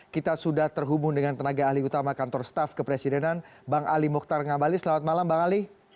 kita sudah terhubung dengan tenaga ahli utama kantor staff kepresidenan bang ali mokhtar ngabali selamat malam bang ali